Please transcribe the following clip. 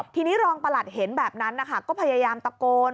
ทีนี้รองประหลัดเห็นแบบนั้นนะคะก็พยายามตะโกน